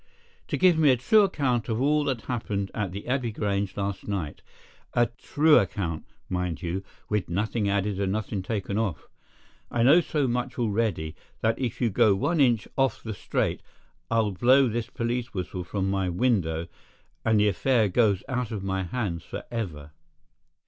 "To give me a true account of all that happened at the Abbey Grange last night—a true account, mind you, with nothing added and nothing taken off. I know so much already that if you go one inch off the straight, I'll blow this police whistle from my window and the affair goes out of my hands forever."